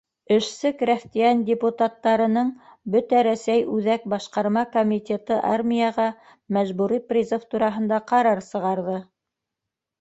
Эшсе-крәҫтиән депутаттарының бөтә Рәсәй Үҙәк Башҡарма Комитеты армияға мәжбүри призыв тураһында ҡарар сығарҙы.